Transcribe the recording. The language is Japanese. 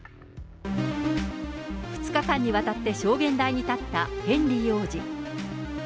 ２日間にわたって証言台に立ったヘンリー王子。